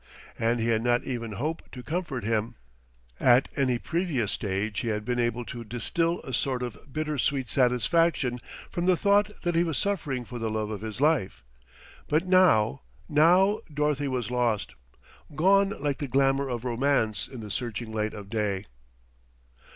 And he had not even Hope to comfort him; at any previous stage he had been able to distil a sort of bitter sweet satisfaction from the thought that he was suffering for the love of his life. But now now Dorothy was lost, gone like the glamour of Romance in the searching light of day.